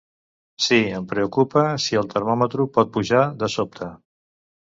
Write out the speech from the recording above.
Sí, em preocupa si el termòmetre pot pujar de sobte.